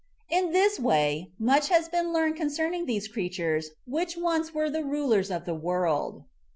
In this way much has been learned concerning these creatures which once were the rulers of the world.